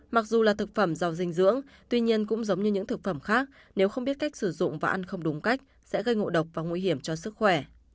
mặc dù là thực phẩm giàu dinh dưỡng tuy nhiên cũng giống như những thực phẩm khác nếu không biết cách sử dụng và ăn không đúng cách sẽ gây ngộ độc và nguy hiểm cho sức khỏe